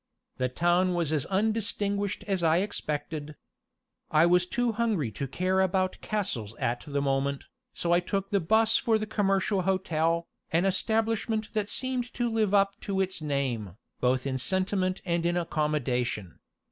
The town was as undistinguished as I expected. I was too hungry to care about castles at the moment, so I took the 'bus for the Commercial Hotel, an establishment that seemed to live up to its name, both in sentiment and in accommodation.